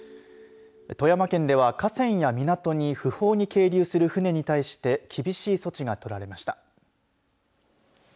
富山県では、河川や港に不法に係留する船に対して厳しい措置が取られました。